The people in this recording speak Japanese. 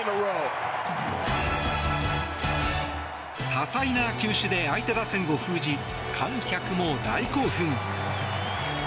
多彩な球種で相手打線を封じ観客も大興奮。